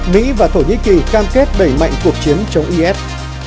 mỹ và thổ nhĩ kỳ cam kết đẩy mạnh cuộc chiến chống bộ chính trị